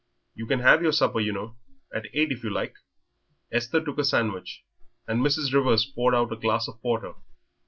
You can have your supper, you know, at eight, if you like?" Esther took a sandwich and Mrs. Rivers poured out a glass of porter.